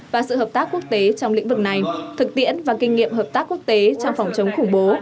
và sự hợp tác quốc tế trong lĩnh vực này thực tiễn và kinh nghiệm hợp tác quốc tế trong phòng chống khủng bố